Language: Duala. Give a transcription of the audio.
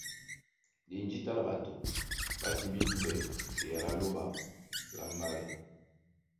Ndé jǐta lá ɓato ɓá timbí dúɓɛ eyala a Lóɓa lá mbálɛ.